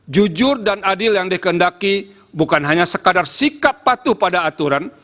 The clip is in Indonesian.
jujur dan adil yang dikendaki bukan hanya sekadar sikap patuh pada aturan